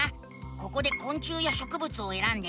ここでこん虫やしょくぶつをえらんで。